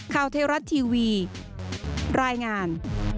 ข่าวเทราชทีวีรายงาน